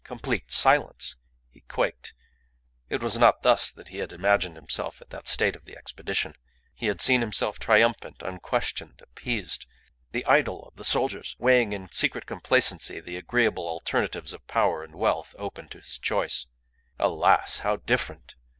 Complete silence. He quaked. It was not thus that he had imagined himself at that stage of the expedition. He had seen himself triumphant, unquestioned, appeased, the idol of the soldiers, weighing in secret complacency the agreeable alternatives of power and wealth open to his choice. Alas! How different!